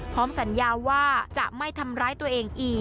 พร้อมสัญญาว่าจะไม่ทำร้ายตัวเองอีก